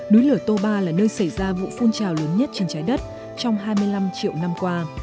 núi lửa to ba là nơi xảy ra vụ phun trào lớn nhất trên trái đất trong hai mươi năm triệu năm qua